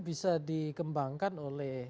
bisa dikembangkan oleh